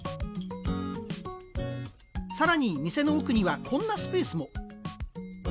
更に店の奥にはこんなスペースも。